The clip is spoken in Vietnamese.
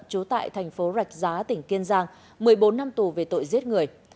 trú tại thành phố rạch giá tỉnh kiên giang một mươi bốn năm tù về tội giết người